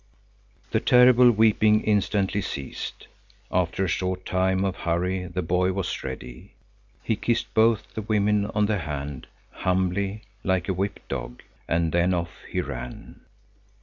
The terrible weeping instantly ceased. After a short time of hurry the boy was ready. He kissed both the women on the hand, humbly, like a whipped dog. And then off he ran.